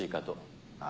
あ？